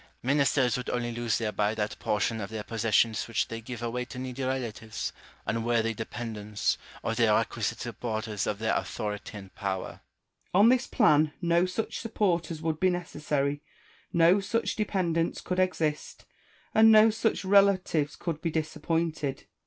Ministers would only lose thereby that portion of their possessions which they give away to needy relatives, unworthy depend ants, or the requisite supporters of their authority and power. Malesherhes. On this plan, no such supporters would be necessary, no such dependants could exist, and no such relatives could be disappointed.